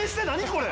これ。